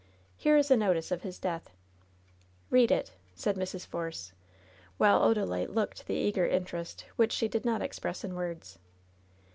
"Here is a notice of his death." "Eead it," said Mrs. Force, while Odalite looked the eager interest, which she did not express in words.